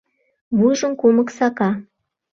Вуйжым кумык сака.